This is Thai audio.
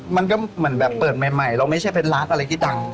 มันก็เหมือนแบบเปิดใหม่เราไม่ใช่เป็นร้านอะไรที่ดัง